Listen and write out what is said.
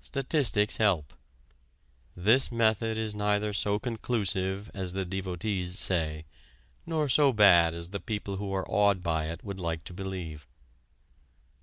Statistics help. This method is neither so conclusive as the devotees say, nor so bad as the people who are awed by it would like to believe.